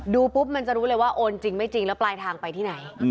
ดูปุ๊บมันจะรู้เลยว่าโอนจริงไม่จริงแล้วปลายทางไปที่ไหน